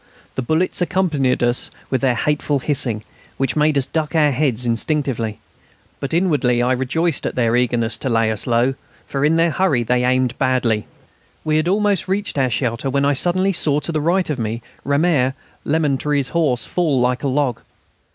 The bullets accompanied us with their hateful hissing, which made us duck our heads instinctively. But inwardly I rejoiced at their eagerness to lay us low, for in their hurry they aimed badly. We had almost reached our shelter when I suddenly saw to the right of me "Ramier," Lemaître's horse, fall like a log.